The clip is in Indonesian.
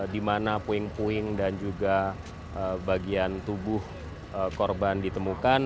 dimana puing puing dan juga bagian tubuh korban ditemukan